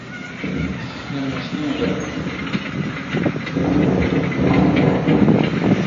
له میاشتونو له کلونو!